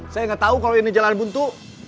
saya gak tau kalau ini jalan buntu